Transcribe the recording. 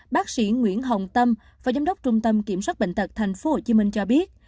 bác sĩ nguyễn hồng tâm phó giám đốc trung tâm kiểm soát bệnh tật tp hcm cho biết